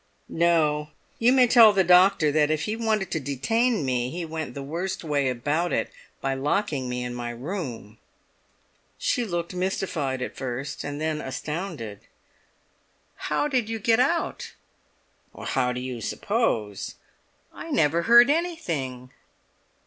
"No; you may tell the doctor that if he wanted to detain me he went the worst way about it by locking me into my room!" She looked mystified at first, and then astounded. "How did you get out?" "How do you suppose?" "I never heard anything!"